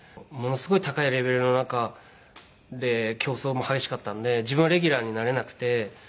ものすごい高いレベルの中で競争も激しかったんで自分はレギュラーになれなくて。